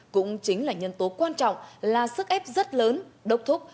cũng chính là nhân tố quan trọng là sức ép rất lớn đốc thúc